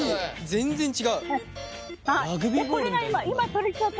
全然違う。